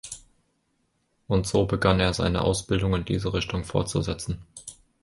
Und so begann er seine Ausbildung in diese Richtung fortzusetzen.